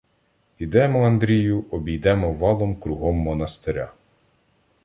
— Підемо, Андрію, обійдемо валом кругом монастиря.